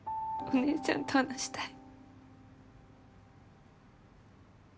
お姉ちゃんと話したい。